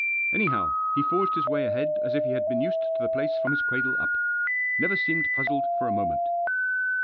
Any how he forged his way ahead as if he had been used to the place from his cradle up. Never seemed puzzled for a moment.